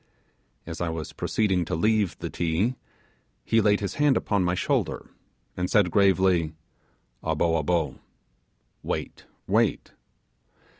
As I was proceeding to leave the Ti, he laid his hand upon my shoulder, and said gravely, 'abo, abo' (wait, wait).